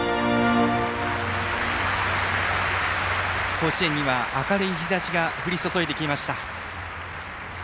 甲子園には明るい日ざしが降り注いできました。